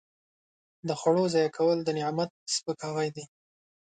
د خوړو ضایع کول د نعمت سپکاوی دی.